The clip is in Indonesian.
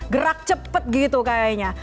gerak cepat gitu kayaknya